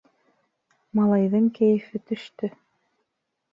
Малайҙың кәйефе төштө.